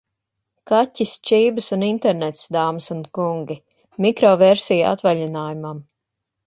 Kaķis, čības un internets, dāmas un kungi. Mikroversija atvaļinājumam.